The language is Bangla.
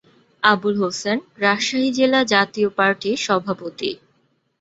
আবুল হোসেন রাজশাহী জেলা জাতীয় পার্টির সভাপতি।